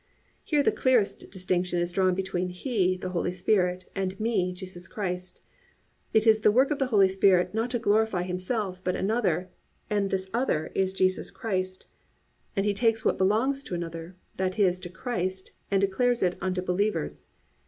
"+ Here the clearest distinction is drawn between He, the Holy Spirit, and Me, Jesus Christ. It is the work of the Holy Spirit not to glorify Himself, but another, and this Other is Jesus Christ, and He takes what belongs to another; that is, to Christ, and declares it unto believers.